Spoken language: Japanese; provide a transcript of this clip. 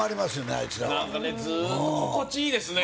あいつらは何かねずっと心地いいですね